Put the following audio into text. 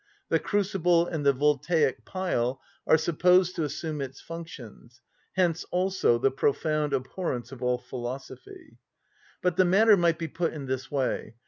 The crucible and the voltaic pile are supposed to assume its functions; hence also the profound abhorrence of all philosophy. But the matter might be put in this way.